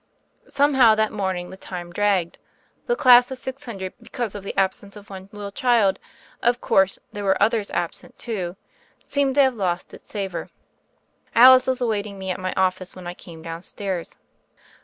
Somehow that morning the time dragged ; the class of six hundred, because of the absence of one little child — of course, there were others absent, too — seemed to have lost its savor. Alice was awaiting me at my office when I came downstairs.